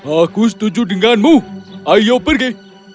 aku setuju denganmu ayo pergi